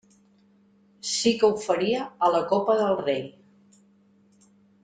Sí que ho faria a la Copa del Rei.